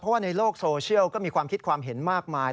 เพราะว่าในโลกโซเชียลก็มีความคิดความเห็นมากมาย